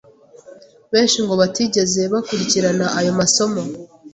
benshi ngo batigeze bakurikirana ayo masomo,